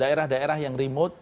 daerah daerah yang remote